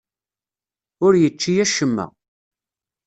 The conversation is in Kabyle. Ur yečči acemma.